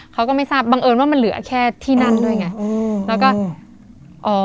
เขาก็ไม่ทราบบังเอิญว่ามันเหลือแค่ที่นั่นด้วยไงอืมแล้วก็อ๋อ